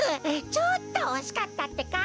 ちょっとおしかったってか。